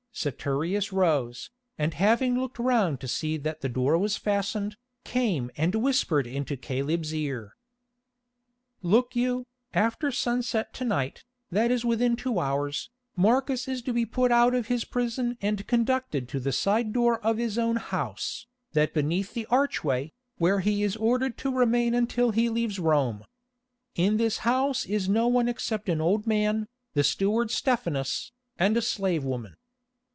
Saturius rose, and having looked round to see that the door was fastened, came and whispered into Caleb's ear. "Look you, after sunset to night, that is within two hours, Marcus is to be put out of his prison and conducted to the side door of his own house, that beneath the archway, where he is ordered to remain until he leaves Rome. In this house is no one except an old man, the steward Stephanus, and a slave woman.